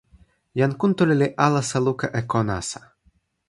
jan Kuntuli li alasa luka e ko nasa.